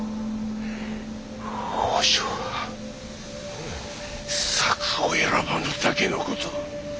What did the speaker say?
北条は策を選ばぬだけのこと。